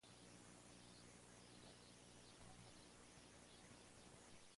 Carlos Jurado comenzó su trayectoria como entrenador en el fútbol español.